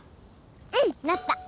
うんなった！